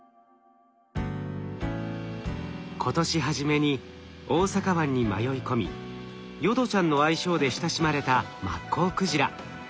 今年初めに大阪湾に迷い込み淀ちゃんの愛称で親しまれたマッコウクジラ。